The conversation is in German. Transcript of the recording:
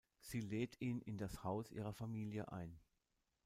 Sie lädt ihn in das Haus ihrer Familie ein.